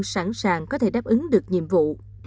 sẵn sàng có thể đáp ứng được nhiệm vụ